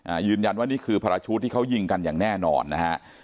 อ่ายืนยันว่านี่คือภารชูตที่เขายิงกันอย่างแน่นอนนะฮะ